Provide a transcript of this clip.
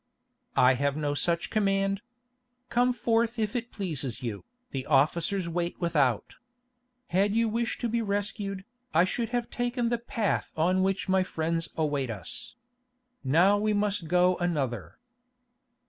"I have no such command. Come forth if it pleases you, the officers wait without. Had you wished to be rescued, I should have taken the path on which my friends await us. Now we must go another."